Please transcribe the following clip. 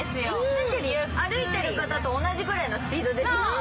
確かに、歩いてる方と同じくらいのスピードですよね。